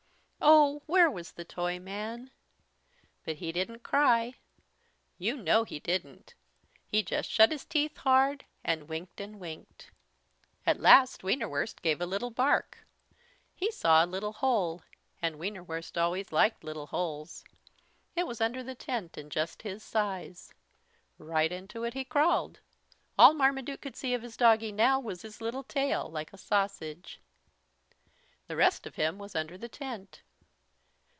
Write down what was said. Oh, where was the Toyman? But he didn't cry. You know he didn't. He just shut his teeth hard, and winked and winked. At last Wienerwurst gave a little bark. He saw a little hole, and Wienerwurst always liked little holes. It was under the tent and just his size. Right into it he crawled. All Marmaduke could see of his doggie now was his little tail like a sausage. The rest of him was under the tent.